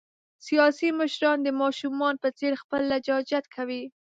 سیاسي مشران د ماشومان په څېر خپل لجاجت کوي.